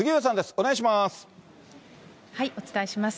お願いします。